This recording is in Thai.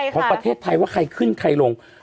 ของประเทศไทยว่าใครขึ้นใครลง